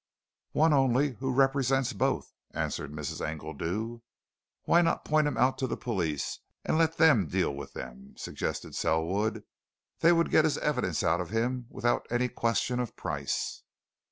"One only, who represents both," answered Mrs. Engledew. "Why not point him out to the police, and let them deal with them?" suggested Selwood. "They would get his evidence out of him without any question of price!"